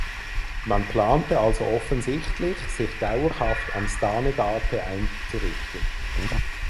Man plante also offensichtlich sich dauerhaft am Stanegate einzurichten.